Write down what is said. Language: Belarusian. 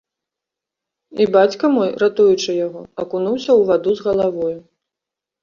І бацька мой, ратуючы яго, акунуўся ў ваду з галавою.